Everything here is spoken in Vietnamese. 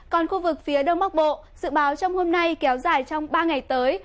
còn khu vực phía đông bắc bộ dự báo trong hôm nay kéo dài trong ba ngày tới